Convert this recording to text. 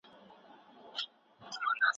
شعوري انسانان د ټولني د بقا لپاره اړين دي.